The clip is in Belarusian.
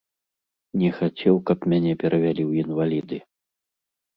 Не хацеў, каб мяне перавялі ў інваліды.